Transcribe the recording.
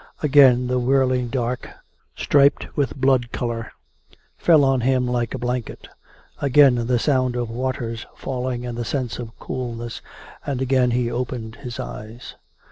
Again the whirling dark, striped with blood colour, fell on him like a blanket; again the sound of waters falling and the sense of coolness, and again he opened his eyes.